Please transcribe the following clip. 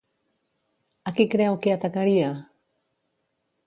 A qui creu que atacaria?